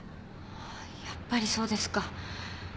やっぱりそうですか。